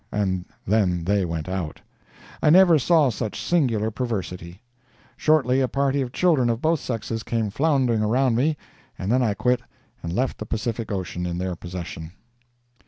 And then they went out. I never saw such singular perversity. Shortly a party of children of both sexes came floundering around me, and then I quit and left the Pacific ocean in their possession.